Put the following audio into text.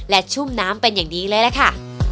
และชุ่มน้ำเป็นอย่างดีเลยล่ะค่ะ